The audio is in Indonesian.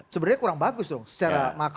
sebenarnya kurang bagus dong secara makro